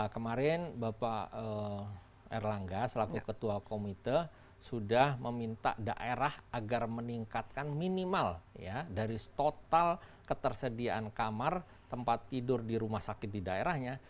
kemarin bapak erlangga selaku ketua komite sudah meminta daerah agar meningkatkan minimal ya dari total ketersediaan kamar tempat tidur di rumah sakit di daerahnya